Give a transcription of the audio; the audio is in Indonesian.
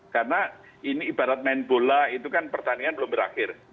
karena ini ibarat main bola itu kan pertandingan belum berakhir